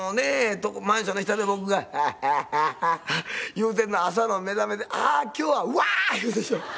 とこマンションの下で僕が「ハハハハハ」言うてるの朝の目覚めで「ああ今日はうわあーっ！」言うでしょ。